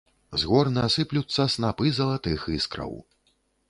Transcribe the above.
З горна сыплюцца снапы залатых іскраў.